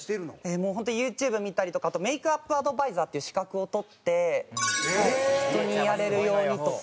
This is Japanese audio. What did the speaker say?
もう本当ユーチューブ見たりとかあとメイクアップアドバイザーっていう資格を取って人にやれるようにとか。